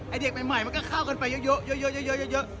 ไอ้เด็กใหม่ใหม่มันก็เข้ากันไปเยอะเยอะเยอะเยอะเยอะเยอะเยอะเยอะ